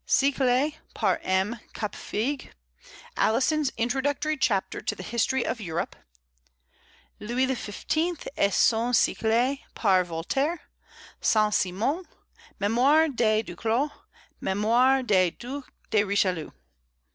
Siècle, par M. Capefigue; Alison's introductory chapter to the History of Europe; Louis XV. et son Siècle, par Voltaire; Saint Simon; Mémoires de Duclos; Mémoires du Duc de Richelieu.